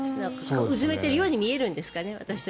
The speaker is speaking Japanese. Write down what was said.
うずめているように見えるんですかね。